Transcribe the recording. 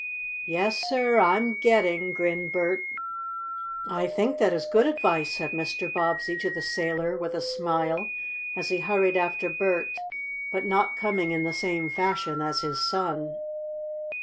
"Yes, sir, I'm getting," grinned Bert. "I think that is good advice," said Mr. Bobbsey to the sailor, with a smile, as he hurried after Bert, but not coming in the same fashion as his son.